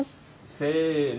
せの。